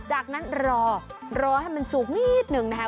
จากนั้นรอรอให้มันสุกนิดหนึ่งนะคะ